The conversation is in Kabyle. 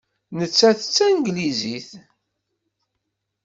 Nettat d Tanglizit.